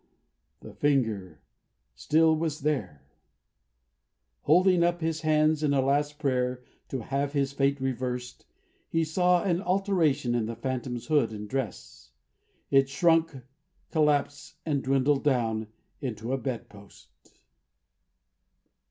The finger still was there. Holding up his hands in a last prayer to have his fate reversed, he saw an alteration in the Phantom's hood and dress. It shrunk, collapsed, and dwindled down into a bedpost.